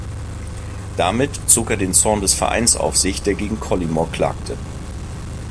Damit zog er den Zorn des Vereins auf sich, der gegen Collymore klagte.